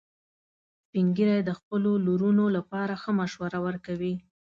سپین ږیری د خپلو لورونو لپاره ښه مشوره ورکوي